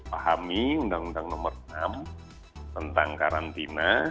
pahami undang undang nomor enam tentang karantina